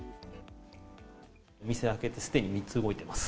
お店開けてすでに３つ動いています。